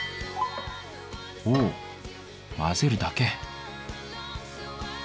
ほお混ぜるだけ！